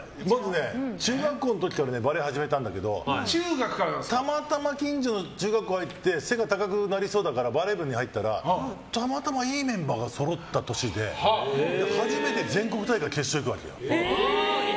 中学校の時からバレー始めたんだけどたまたま近所の中学校に入って背が高くなりそうだからバレー部に入ったらたまたまいいメンバーがそろった年で、初めて全国大会決勝に行くわけよ。